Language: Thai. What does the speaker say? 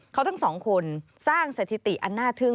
เขาทั้งสองคนสร้างสถิติอันน่าทึ่ง